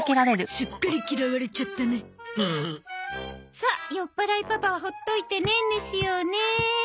さあ酔っぱらいパパは放っといてねんねしようね。